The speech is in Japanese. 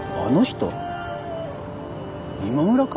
今村か？